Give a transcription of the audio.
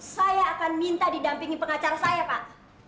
saya akan minta didampingi pengacara saya pak